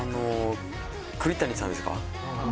栗谷さんですか。